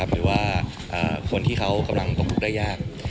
หรือว่าคนที่เขาตกลุกได้ยาก